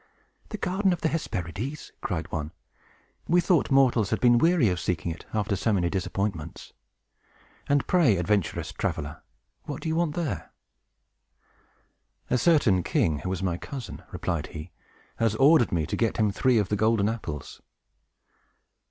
"The garden of the Hesperides!" cried one. "We thought mortals had been weary of seeking it, after so many disappointments. And pray, adventurous traveler, what do you want there?" "A certain king, who is my cousin," replied he, "has ordered me to get him three of the golden apples."